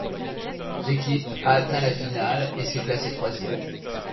L'équipe a atteint la finale et s'est classé troisième.